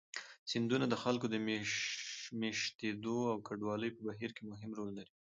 سیندونه د خلکو د مېشتېدو او کډوالۍ په بهیر کې مهم رول لري.